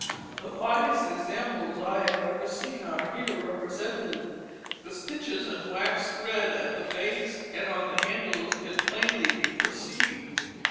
The finest examples I have ever seen are here represented. The stitches and waxed thread at the base and on the handles can plainly be perceived.